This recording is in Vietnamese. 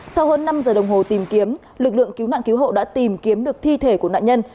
sau hơn năm giờ đồng hồ tìm kiếm lực lượng cứu nạn cứu hộ đã tìm kiếm được thi thể của nạn nhân